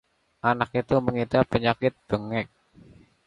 anak itu mengidap penyakit bengek